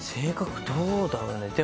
どうだろうね。